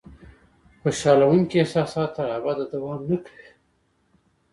خوشالونکي احساسات تر ابده دوام نه کوي.